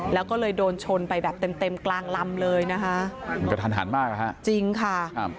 แล้วก็เลยโดนชนไปแบบเต็มเต็มกลางลำเลยนะคะมันกระทันหันมากนะฮะจริงค่ะครับ